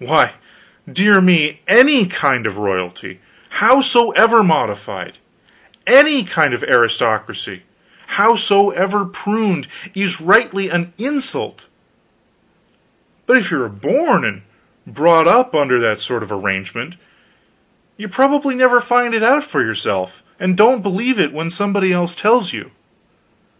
Why, dear me, any kind of royalty, howsoever modified, any kind of aristocracy, howsoever pruned, is rightly an insult; but if you are born and brought up under that sort of arrangement you probably never find it out for yourself, and don't believe it when somebody else tells you.